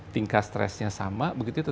tingkat stresnya sama begitu